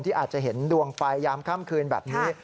อาจจะเห็นดวงไฟยามค่ำคืนแบบนี้